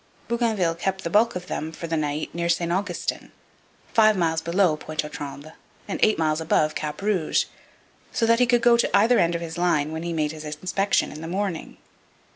Bougainville kept the bulk of them for the night near St Augustin, five miles below Pointe aux Trembles and eight miles above Cap Rouge, so that he could go to either end of his line when he made his inspection in the morning.